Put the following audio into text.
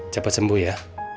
cepet sembuh ya